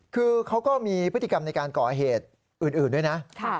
คือเขาก็มีพฤติกรรมในการก่อเหตุอื่นด้วยนะ